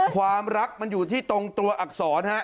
ความรักมันอยู่ที่ตรงตัวอักษรฮะ